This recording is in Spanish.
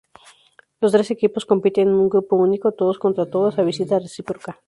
Los trece equipos compiten en un grupo único, todos contra todos a visita reciproca.